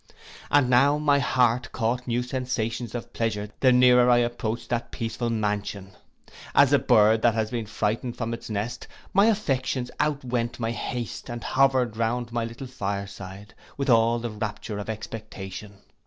And now my heart caught new sensations of pleasure the nearer I approached that peaceful mansion. As a bird that had been frighted from its nest, my affections out went my haste, and hovered round my little fire side, with all the rapture of expectation.